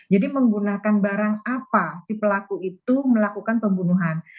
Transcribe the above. jadi menggunakan barang apa si pelaku itu melakukan pembunuhan